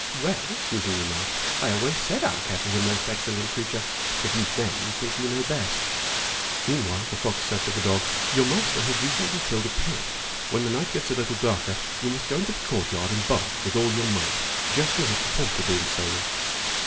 "Well," Susan remarked, "I always said our cat was a most excellent creature, but you men think you know best." Meanwhile the fox said to the dog: "Your master has recently killed a pig. When the night gets a little darker, you must go into the courtyard and bark with all your might just as if the pork were being stolen."